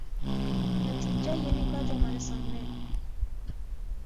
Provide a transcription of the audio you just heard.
نتیجہ یہ نکلا جو ہمارے سامنے ہے۔